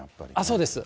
そうです。